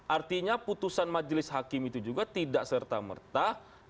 artinya putusan majelis hakim itu juga tidak serta merta